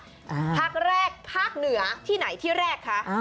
ภาคแรกภาคเหนือที่ไหนที่แรกคะ